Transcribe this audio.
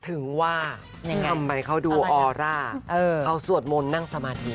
ถึงว่าทำไมเขาดูออร่าเขาสวดมนต์นั่งสมาธิ